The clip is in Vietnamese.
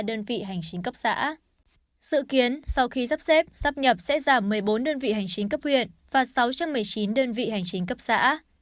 sự kiến sau khi sắp xếp sắp nhập sẽ giảm một mươi bốn đơn vị hành chính cấp huyện và sáu trăm một mươi chín đơn vị hành chính cấp xã